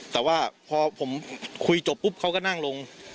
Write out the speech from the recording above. แต่ว่าพอผมคุยจบปุ๊บเขาก็นั่งลง